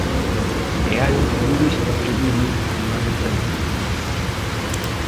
E hai un futbolista que vive un ano tranquilo.